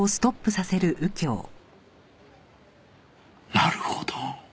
なるほど。